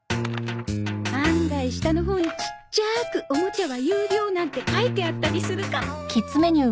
案外下のほうにちっちゃーく「オモチャは有料」なんて書いてあったりするかも。